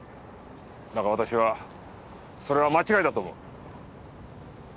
だが私はそれは間違いだと思う。